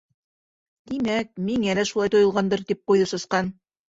— Тимәк, миңә шулай тойолғандыр, — тип ҡуйҙы Сысҡан.